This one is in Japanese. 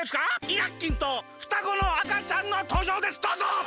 イラッキンとふたごのあかちゃんのとうじょうですどうぞ！